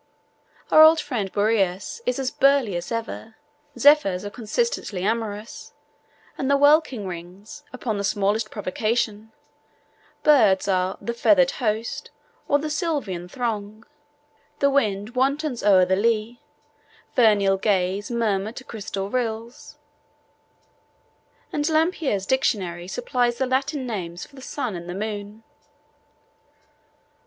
Our old friend Boreas is as 'burly' as ever, 'zephyrs' are consistently 'amorous,' and 'the welkin rings' upon the smallest provocation; birds are 'the feathered host' or 'the sylvan throng,' the wind 'wantons o'er the lea,' 'vernal gales' murmur to 'crystal rills,' and Lempriere's Dictionary supplies the Latin names for the sun and the moon.